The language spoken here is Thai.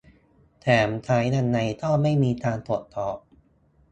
แถมใช้ยังไงก็ไม่มีการตรวจสอบ